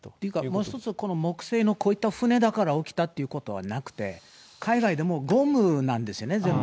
もう一つ、この木製のこういった船だから起きたっていうことはなくて、海外でもゴムなんですよね、全部。